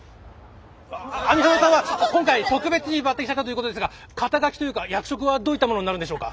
網浜さんは今回特別に抜てきされたということですが肩書というか役職はどういったものになるんでしょうか？